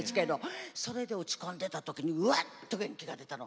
それで落ち込んでたときにワッと元気が出たの。